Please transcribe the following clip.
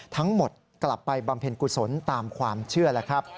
ทั้งหมดกลับไปบำเพ็ญกุศลตามความเชื่อ